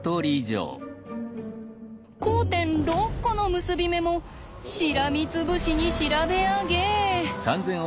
交点６コの結び目もしらみつぶしに調べ上げ。